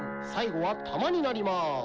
最後はたまになりまーす。